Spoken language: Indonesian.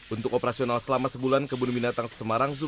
untuk operasional selama sebulan kebun binatang semarang zoo